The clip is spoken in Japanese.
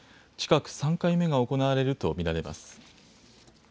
近く３回目が行われると見られます。